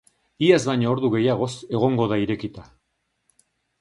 Iaz baino ordu gehiagoz egongo da irekita.